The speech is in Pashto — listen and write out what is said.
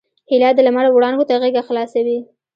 هیلۍ د لمر وړانګو ته غېږه خلاصوي